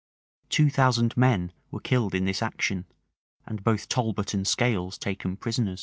[*] Two thousand men were killed in this action, and both Talbot and Scales taken prisoners.